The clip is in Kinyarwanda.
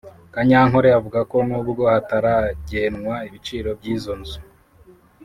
Kanyankole avuga ko nubwo hataragenwa ibiciro by’izo nzu